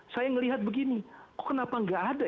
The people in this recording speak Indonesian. saya ngelihat begini kok kenapa nggak ada